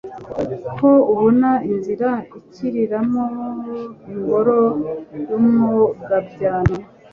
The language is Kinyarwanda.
Ko abona inzira akiriramoIngoro y'Umwogabyano.